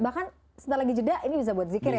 bahkan setelah lagi jeda ini bisa buat zikir ya